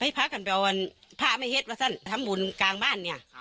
พระกันไปวันพระไม่เห็นว่าท่านทำบุญกลางบ้านเนี่ย